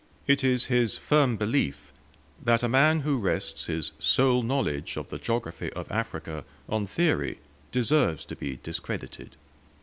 It is his firm belief, that a man who rests his sole knowledge of the geography of Africa on theory, deserves to be discredited.